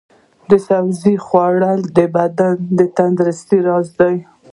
د سبزیو خوړل د بدن د تندرستۍ راز دی.